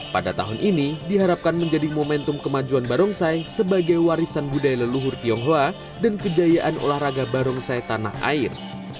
pada tahun ini diharapkan menjadi momentum kemajuan barongsai sebagai warisan budaya leluhur tionghoa dan kejayaan olahraga barongsai tanah air